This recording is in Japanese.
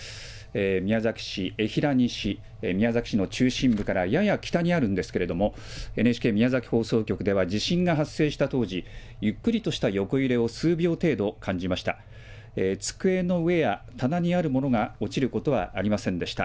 宮崎市江平西、宮崎市の中心部からやや北にあるんですけれども、ＮＨＫ宮崎放送局では、地震が発生した当時、ゆっくりとした横揺れを数秒程度、感じました。